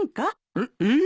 えっえー。